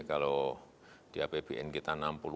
kalau di apbn kita enam puluh